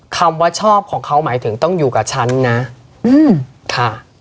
คำว่าชอบของเขาหมายถึงต้องอยู่กับฉันนะค่ะ